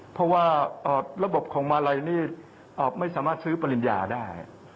เพราะว่าระบบของมาลัยนี่ไม่สามารถซื้อปริญญาได้